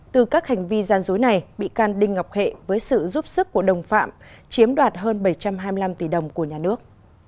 từ các hành vi gian dối này bị can đinh ngọc hệ với sự giúp sức của đồng phạm chiếm đoạt hơn bảy trăm hai mươi năm tỷ đồng của nhà nước